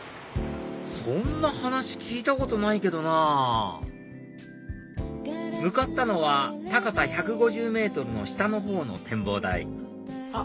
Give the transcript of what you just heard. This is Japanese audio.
そんな話聞いたことないけどなぁ向かったのは高さ１５０ｍの下のほうの展望台あっ